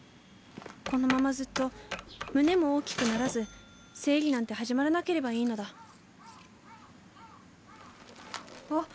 このままずっと胸も大きくならず生理なんて始まらなければいいのだわっ